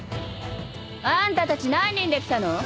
あんたたち何人で来たの？